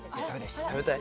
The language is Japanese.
食べたい？